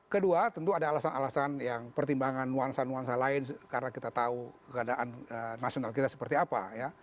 kedua tentu ada alasan alasan yang pertimbangan nuansa nuansa lain karena kita tahu keadaan nasional kita seperti apa ya